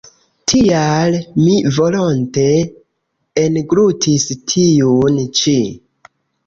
Tial mi volonte englutis tiun ĉi.